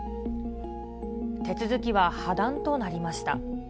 手続きは破談となりました。